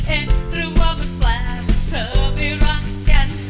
หรือว่ามันแปลกเธอไม่รักกัน